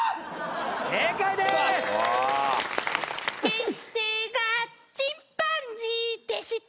「先生がチンパンジーでした」